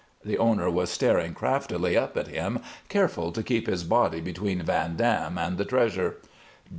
The owner was staring craftily up at him, careful to keep his body between Van Dam and the treasure.